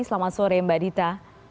selamat sore mbak adita